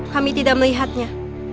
kami tidak melihatnya